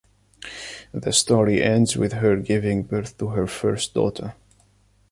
The story ends with her giving birth to her first daughter.